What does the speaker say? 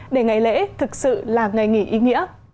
để ngày lễ thực sự là ngày nghỉ ý nghĩa